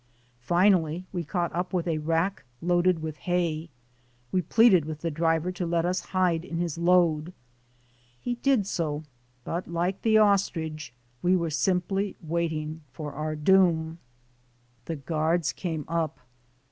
Finally we caught up with a rack loaded with hay. We pleaded with the driver to let us hide in his load. We did so, but like the os trich, we were simply waiting for our doom. The guards came up.